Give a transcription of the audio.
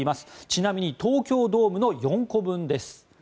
ちなみに東京ドームの４個分です。